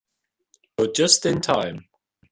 You're just in time.